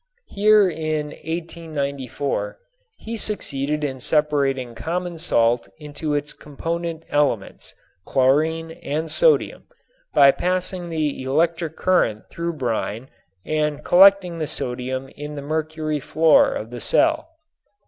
Here in 1894 he succeeded in separating common salt into its component elements, chlorine and sodium, by passing the electric current through brine and collecting the sodium in the mercury floor of the cell.